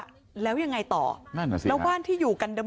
รู้ว่ามีรอยเลื่อนแล้วยังไงต่อล่ะแล้วเราที่เป็นประชาชนทั่วไปจะทำยังไงล่ะ